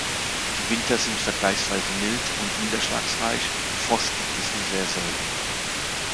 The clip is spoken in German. Die Winter sind vergleichsweise mild und niederschlagsreich, Frost gibt es nur sehr selten.